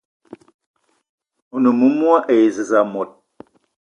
One moumoua e zez mot